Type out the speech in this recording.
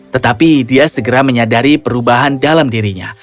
tetapi dia segera menyadari perubahan dalam dirinya